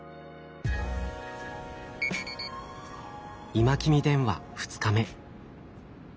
「今君電話」２日目。